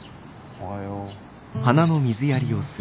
おはよう。